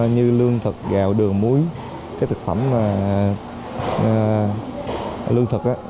như lương thực gạo đường muối cái thực phẩm lương thực